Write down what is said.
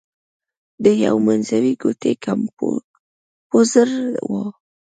د یوې منځوۍ ګوتې کمپوزر و.